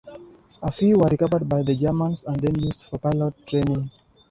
A few were recovered by the Germans and then used for pilot training.